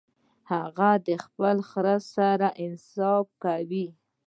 هغه د خپل خر سره انصاف کاوه.